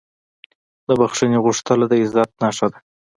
د بښنې غوښتنه د عزت نښه ده.